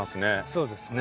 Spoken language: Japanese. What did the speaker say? そうですね。